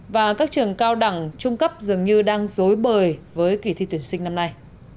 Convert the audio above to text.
và các trường cao đẳng trung cấp dường như đang dối bời với kỳ thi tuyển sinh năm nay